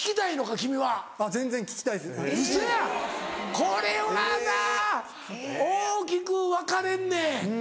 これはな大きく分かれんねん。